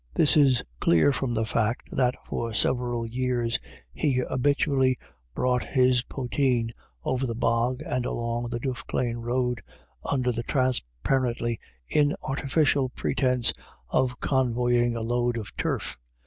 This is clear from the fact that for several years he habitually brought his potheen over the bog and along the Duffclane road under the transparently inartificial pretence of convoying a load of turf.